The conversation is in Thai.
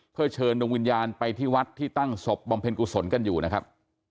เพื่อเชิญดวงวิญญาณไปที่วัดที่ตั้งศพบำเพ็ญกุศลกันอยู่นะครับ